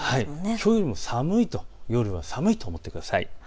きょうよりも夜は寒いと思ってください。